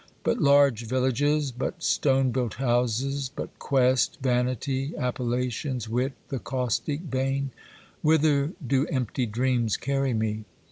But large villages, but stone built houses, but quest, vanity, appella tions, wit, the caustic vein ! Whither do empty dreams carry me?